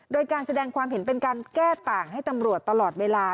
โดยการแสดงความเห็นเป็นการแก้ต่างให้ตำรวจตลอดเวลา